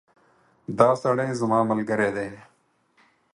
دا سړی زما ملګری دی